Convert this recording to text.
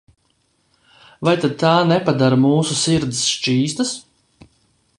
Vai tad tā nepadara mūsu sirdis šķīstas?